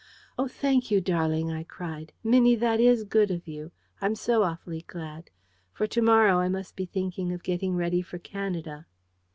"Oh, thank you, darling!" I cried. "Minnie, that IS good of you. I'm so awfully glad. For to morrow I must be thinking of getting ready for Canada."